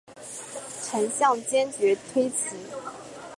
陈顼坚决推辞。